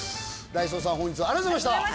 ダイソーさん本日はありがとうございました！